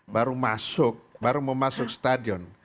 baru masuk baru mau masuk stadion